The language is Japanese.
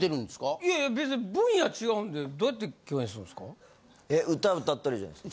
いえいえ別に分野違うんでどうやって共演するんですか？